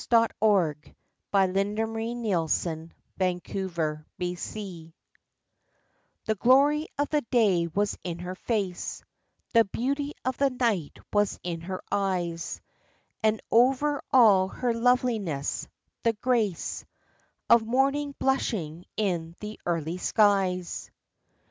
THE GLORY OF THE DAY WAS IN HER FACE The glory of the day was in her face, The beauty of the night was in her eyes. And over all her loveliness, the grace Of Morning blushing in the early skies.